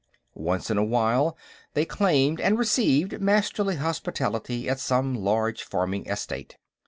Once in a while, they claimed and received Masterly hospitality at some large farming estate.